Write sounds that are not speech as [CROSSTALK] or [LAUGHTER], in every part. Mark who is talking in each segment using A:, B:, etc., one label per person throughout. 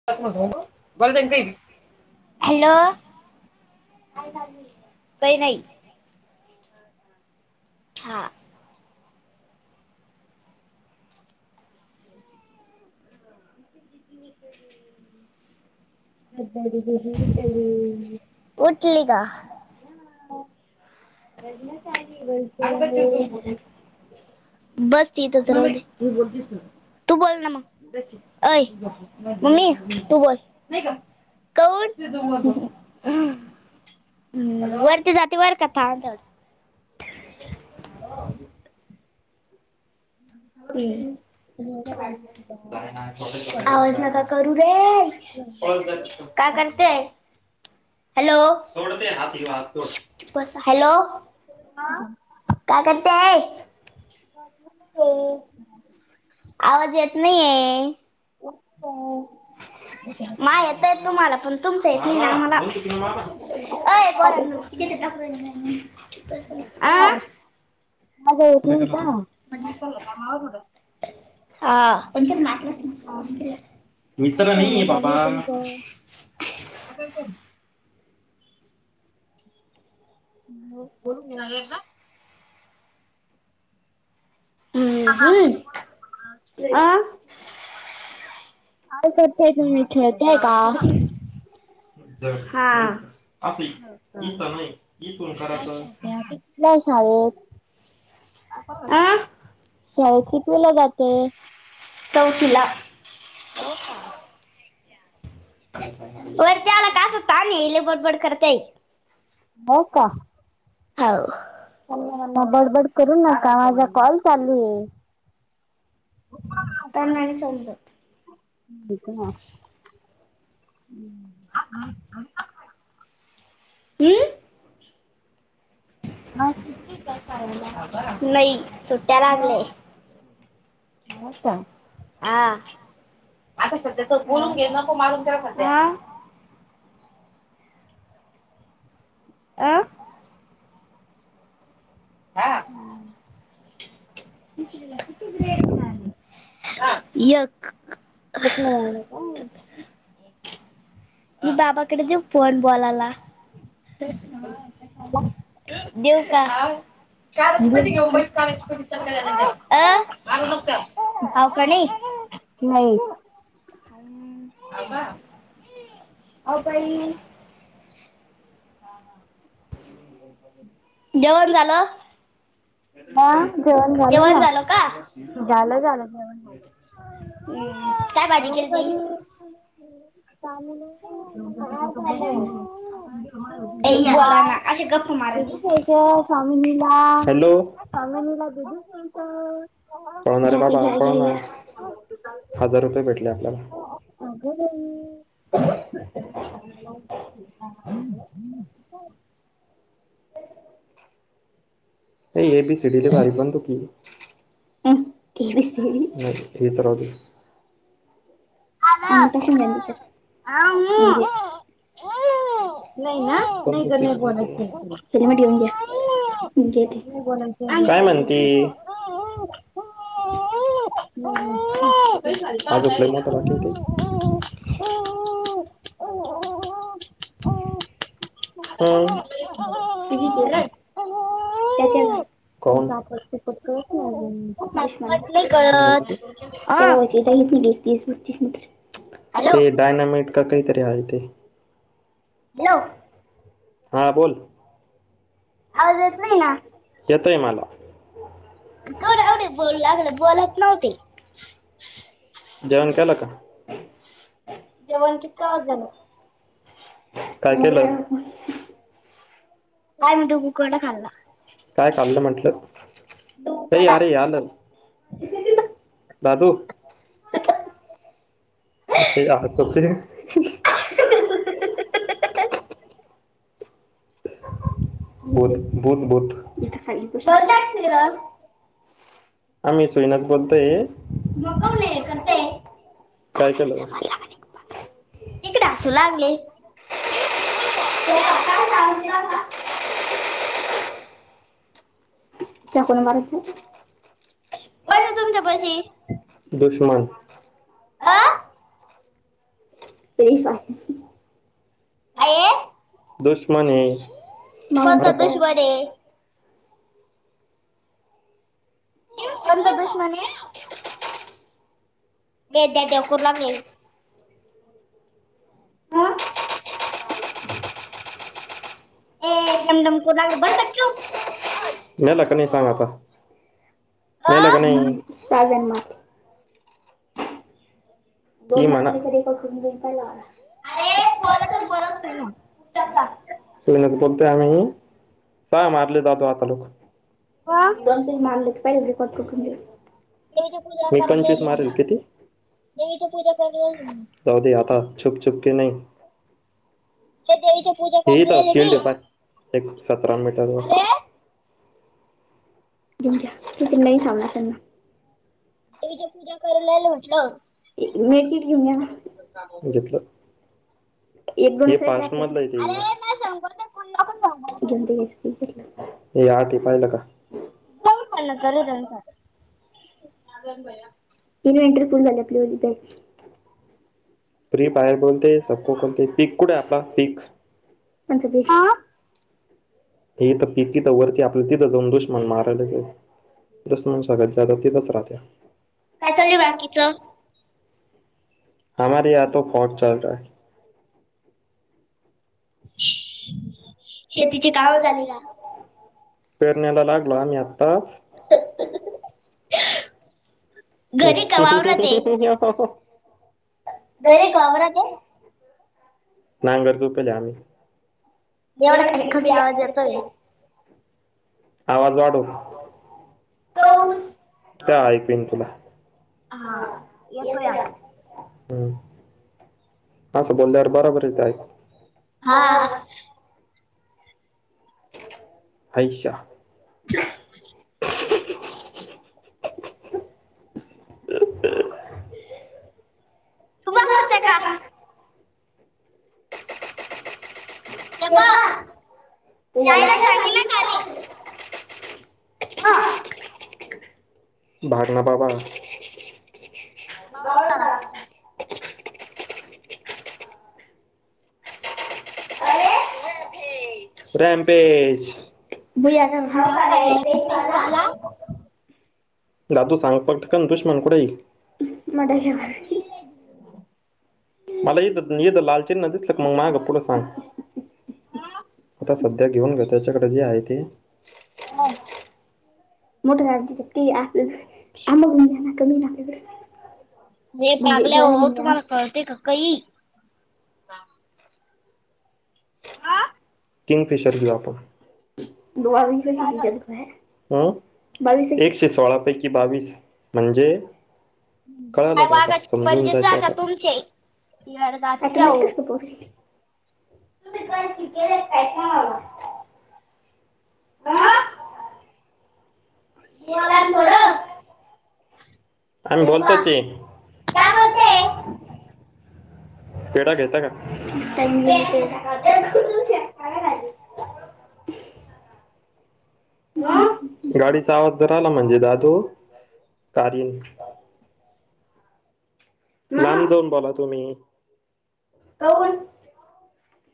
A: [UNINTELLIGIBLE] Hello बई नाही हा
B: माझा येत
A: [INAUDIBLE] उठली का रच अ बस तिथच राहुदे तू बोल न मग अय मम्मी तू बोल. नाही का कौन हम्म वरती जाते वर का थांब थांब
B: [UNINTELLIGIBLE] हम्म
A: हम्,, आवाज नका करू रे ऽकाय करतेय. हॅलो,, हॅलो काय करतेस
B: हो,, [UNINTELLIGIBLE]
A: आवाज येत नाहीये.
B: हो, [UNINTELLIGIBLE]
A: मा येतय तुम्हाला पण,, तुमच येत नाही ना मला अय पोरानों,, आ
B: आवाज एत नाही का
A: [UNINTELLIGIBLE] मित्रांनी
B: आठवण आली
A: बाबा
B: तुमचं. [UNINTELLIGIBLE] बोलून झालय का ह हां,, [UNINTELLIGIBLE]
A: अं
B: काल करताय तुम्ी,, खेळतेय का
A: हा
B: हा.
A: [UNINTELLIGIBLE]
B: कुठल्या शाळेत
A: आ?
B: शाळेत कितवीला जाते.
A: चौथी ला
B: हो, का.
A: वर त्याला कास पाणी लय बडबड करत्याय.
B: हो, का.
A: हाव.
B: [UNINTELLIGIBLE] बडबड करू नका माझा कॉल चालू हे.
A: त्यांना नाही समजत.
B: [UNINTELLIGIBLE]
A: [INAUDIBLE]
B: [UNINTELLIGIBLE]
A: नही सुट्ट्या लागले.
B: हो का
A: हा आता
B: किती
A: सध्या तो
B: ग्रेड
A: बोलून घे
B: मिळाले?
A: नको मारून त्या सध्या. [UNINTELLIGIBLE] हा
B: [UNINTELLIGIBLE]
A: एक
B: पप्या आलं काय.
A: मी बाबाकड देऊ फोन बोलायला. देऊ का
B: मिळाले का?
A: अ हाऊ कॅन नी
B: नाही.
A: हम, आबा..
B: अहो
A: ओ
B: बाई,
A: परी जेवण झालं जेवण झालं का
B: झालं झालं जेवण झालं.
A: हम्म, काय भाजी
B: अहो
A: केली ती.
B: [UNINTELLIGIBLE] [UNINTELLIGIBLE]
A: ए, बोला
B: श्री
A: ना असे गप्प मारत
B: स्वामीलीला स्वामिनीला
A: हॅलो
B: दूध प्यायचं.
A: पळणार [UNINTELLIGIBLE] हजार रुपये भेटले आपल्याला.
B: अग [UNINTELLIGIBLE]
A: ए ए बी सी डी लई भारी म्हणतो की. हम्म ए बी सी डी? नई हेच राहुदे. [UNINTELLIGIBLE] सगळा हेच्यात म्हणजे
B: नई ना? नई ग नई बोलायच
A: हेल्मेट घेऊन घ्या घेते
B: [UNINTELLIGIBLE] [UNINTELLIGIBLE] आण
A: काय
B: इकडे
A: म्हणती
B: [UNINTELLIGIBLE]
A: [INAUDIBLE] आज उपलय मोठा बाकी ते
B: [UNINTELLIGIBLE] [UNINTELLIGIBLE]
A: [INAUDIBLE] हम्म. तीझीच एक त्याच्या [UNINTELLIGIBLE]
B: फत वाट नाही कळत नई अजून [UNINTELLIGIBLE]
A: [UNINTELLIGIBLE] तीस बत्तीस मिनिट.
B: हॅलो
A: ते डायनामेट का काहीतरी आहे ते.
B: हॅलो.
A: हां बोल.
B: आवाज येत नाही ना?
A: येतय मला.
B: केवढं एवढं बोलू लागलं बोलत नव्हती.
A: जेवण केलं का?
B: जेवण किती आवाज झालं
A: [UNINTELLIGIBLE] काय केलं? [UNINTELLIGIBLE]
B: आम्ही [UNINTELLIGIBLE] वडा खाल्ला.
A: काय चालल म्हटलं?
B: डुबू
A: ते
B: कडा
A: यारे आलं. दादू? ते अस ते
B: [INAUDIBLE]
A: बोल बोध बोध. इथखाली
B: बोलतात सिरस
A: [UNINTELLIGIBLE] आम्ही सैनास बोलतय. मग
B: कोण
A: कोन्हे
B: हे करते
A: [UNINTELLIGIBLE] काय झालं [UNINTELLIGIBLE]
B: तकडे असू लागले. त्या पाका ला [UNINTELLIGIBLE]
A: चाकू ने माराचे [UNINTELLIGIBLE]
B: तुमच्या बशी.
A: दुश्मन
B: अ?
A: ते
B: आहे
A: [UNINTELLIGIBLE] दुश्मने.
B: कोणता दुश्मन ए? कोणता दुश्मन ए? वेद्या देडेवकूर [UNINTELLIGIBLE] हं?
A: हा?
B: ए डमडम करू लागले बस चुप
A: [UNINTELLIGIBLE] गेला का नाही सांग आता?
B: अ
A: मेला का नाही? [UNINTELLIGIBLE] दोन तरी कून घेताय ला.
B: अरे कोणाचा बरंच नाही ना तुमच्या पा
A: [UNINTELLIGIBLE] सुरइनस बोलतोय आम्ही. सा मारले जातो आता लवकर.
B: आ?
A: [UNINTELLIGIBLE] मी
B: देवीची पूजा करून
A: पंचवीस
B: राहिली
A: मारल, किती?
B: मी इथ पूजा करणार. [UNINTELLIGIBLE]
A: जाऊदे आता, छुप छुप के नई.
B: [UNINTELLIGIBLE]
A: हेे इथ
B: राहिली
A: शिल्
B: मी
A: ट पाय एक सतरा मीटर वर.
B: अरे
A: दिऊ का् तितीन नाही [UNINTELLIGIBLE]
B: तेच्या पूजा कयलाला म्हटलं.
A: मेथी घेऊन या. घेतल एक दोन मधलं हाय ते.
B: अरे नाही सांगू ते कोण नको सांगू
A: [UNINTELLIGIBLE] हे आटी पाहिलं का?
B: हो ल कर [UNINTELLIGIBLE]
A: इनवनट्री झाली होती काय? फ्री फयर बोलते सबको कोणते पीक कुठे आपला पीक? कोणत पिक?
B: हा
A: हे हिथ त पिकी तिथ वरती आपलं तिथं जाऊन दुश म्हण मारयलंच. दुश्मन सर्वात जादा तिथच राहतात.
B: काय चालु बाकीचं?
A: हमारे या तो फौग चल रहा है.
B: [UNINTELLIGIBLE]
A: ते तिची गाव झाली का? पेरण्याला लागलो आम्ही आत्ताच. स [UNINTELLIGIBLE]
B: घरी का
A: [UNINTELLIGIBLE]
B: वावरात आहे घरी का वावरात आहे
A: नांगर चूपल्या आम्ही.
B: यवढा काय कमी आवाज येतोय?
A: आवाज वाढव. काऊन? त्या ऐकवीन तुला
B: हा येतोया आता.
A: हम्म असं बोंड्यावर बराबर येत आयकु.
B: हा..
A: हैशा.
B: [UNINTELLIGIBLE] तु बसते का? ते पा
A: ते
B: जायला सांगे ना
A: झालं.
B: खाली हा
A: भाग न बाबा.
B: ब का [UNINTELLIGIBLE] अरे..
A: रॅमपेश भैया साग हा
B: हो
A: का
B: रे
A: रॅमपेश वाला.
B: पेशवाला
A: दातू सांग पटकन दुश्मन कुठय मटाच्या घरात. मला इत, इत लालचिन्ह दिस म ग पुढ सांग आता सध्या घेऊन घेतो. त्याच्याकडे जे आहे ते.
B: हा.
A: मोठ ती आमोलून घना कमी नाही.
B: हे पागल्या हो तुम्हाला कळते का कही.
A: किंगफिशर घेऊ आपण. अ बाविस, एकशे सोळा पैकी बावीस म्हणजे. कळाला
B: काय
A: का आता
B: वागाचे
A: समजून
B: पंजेच
A: जायतु आता.
B: तुमचे तिकडे जातीच्या हो
A: आटोमॅटिकस कस काय पोहोचले.
B: शिकलेले काय कोणाला? हं?
A: आं..
B: बलाण थोडं.
A: आम्ही बोलतोच हे काय म्हणताये. पेडा घेता का देऊ का तुमच्या
B: बोलते
A: काना खाली.
B: ह
A: गाडीचा आवाज जरा आला म्हणजे दादू कार लांब जाऊन बोला तुम्ही, काऊन?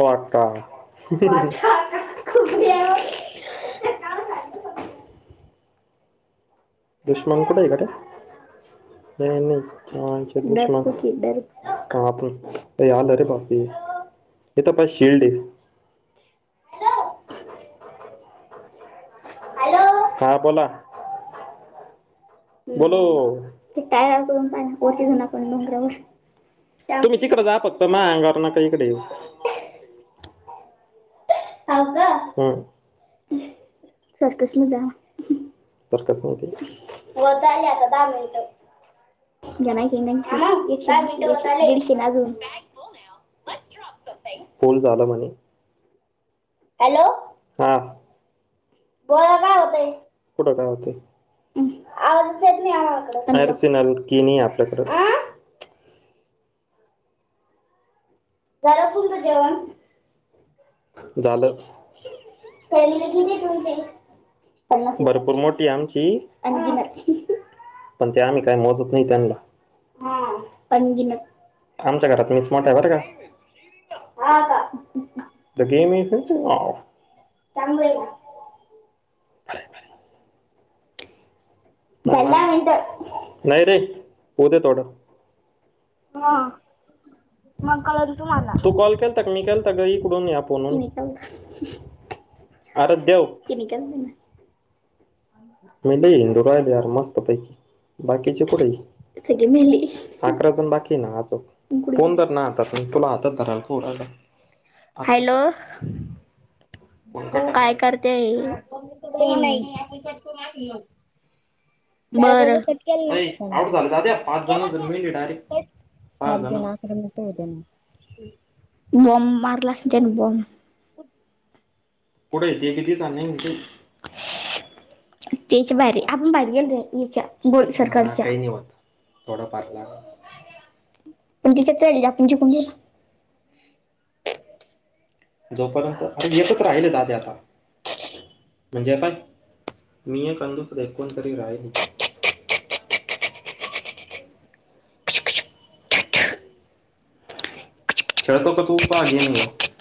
A: ओ आक्का [UNINTELLIGIBLE] दुश्मन कुट आहे गड्या नाही, नाही. आमचे दुश्मन ते आलरे बापरे. तिथ पा शेल्ड हे. हॅलो! हा बोला. बोलो, [UNINTELLIGIBLE] तुम्ही तिकडे जाता म अंगार ना का इकडे ये. हो का सरकस म जा सर वली आता दहा मिनिट [UNINTELLIGIBLE] [UNINTELLIGIBLE] फोण झाला माझा. हॅलो! हा बोला काय होते, कुठे काय होते. नरसिनल किनी आपल्याकड. झालं असलत जेवण झालं. प गेले कोणते भरपूर मोठी आमची आणी. पण त्या आम्ही काही मोजत नाही त्यांना. आमच्या घरात मी स्मट आहे बर का! का गेम त [UNINTELLIGIBLE] बरर! नाही रे! उद्या तोडा.
B: हा मग कळल तुम्हाला.
A: टक्निकल तगळीकडून या फण. अर देव [UNINTELLIGIBLE] म हिंदू राहिलेर मस्त पैकी बाकीचे पुढेली. अकरा जण बाकी ना अ पण फोन दर ना आत तुला हातात धराल का. हॅलो!
B: हो,
A: काय करते
B: [UNINTELLIGIBLE] झाल का गं
A: बरं
B: कट केल ना
A: अय
B: सं
A: आउट झालं दाद्या पाच जण
B: केला
A: जर
B: का?
A: मेली डायरेक्ट सहा
B: तर म हो ना.
A: बॉम्ब मारला अस
B: हो
A: त्याने बॉम्ब. पुढे येत किती जा म्ह त्याच्या बाहेर आपण बाहेर गेल र याच्या बो सरकारच्या. थोडं पारला. पण तिच्यातली आपणची कु जोपर्यंत अर येतच राहिले दादे आता. म्हणजे पाय मी एक कोस एकोण तरी रा आहे. खेळतो का तू पा गेम हे.